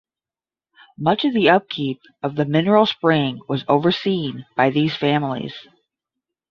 Much of the upkeep of the mineral spring was overseen by these families.